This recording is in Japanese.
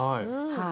はい。